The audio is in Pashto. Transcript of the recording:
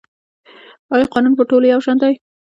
آیا قانون په ټولو یو شان دی؟